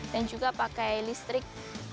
dan juga pakai listrik